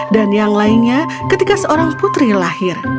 dan yang lainnya ketika seorang putri lahir